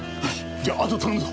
じゃああとは頼むぞ。